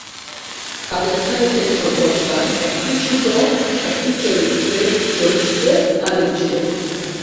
কাদের খানের ছেলে সরফরাজ খান একটি ছোট একটি চরিত্রে চলচ্চিত্রে হাজির ছিলেন।